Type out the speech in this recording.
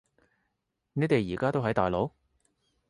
你哋而家都喺大陸？